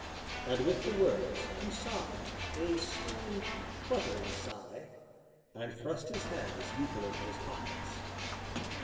And, with the words, he sighed, a strange, fluttering sigh, and thrust his hands deeper into his pockets.